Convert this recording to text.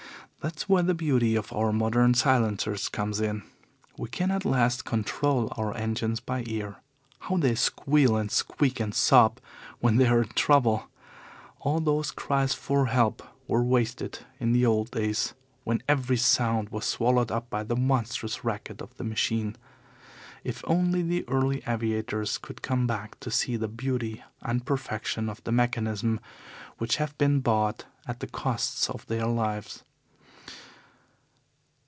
That's where the beauty of our modern silencers comes in. We can at last control our engines by ear. How they squeal and squeak and sob when they are in trouble! All those cries for help were wasted in the old days, when every sound was swallowed up by the monstrous racket of the machine. If only the early aviators could come back to see the beauty and perfection of the mechanism which have been bought at the cost of their lives!